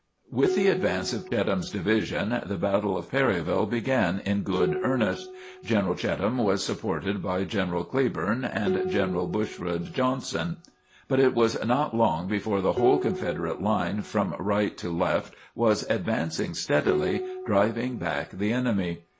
With the advance of Cheatham's division the battle of Perryville began in good earnest. General Cheatham was supported by General Cleburne and General Bushrod Johnson, but it was not long before the whole Confederate line from right to left was advancing steadily, driving back the enemy.